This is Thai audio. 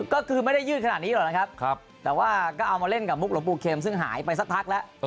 ก็คือไม่ได้ยืดขนาดนี้หรอกนะครับแต่ว่าก็เอามาเล่นกับมุกหลวงปู่เข็มซึ่งหายไปสักพักแล้ว